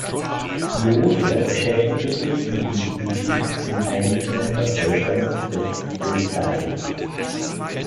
Lohse beschäftigte sich mit dem Kubismus und einzelnen Vertretern des De Stijl.